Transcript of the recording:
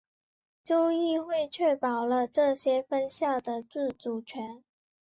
州议会确保了这些分校的自主权。